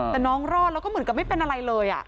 แต่น้องรอดแล้วก็เหมือนกับไม่เป็นอะไรเลย